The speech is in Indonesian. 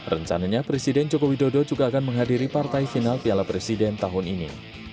rencananya presiden joko widodo juga akan menghadiri partai final piala presiden tahun ini